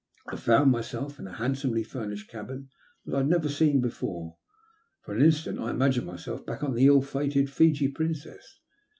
I found myself in a handsomely furnished cabin that I had never seen before. For an instant I imagined myself back again on the ill fated Fiji Princess.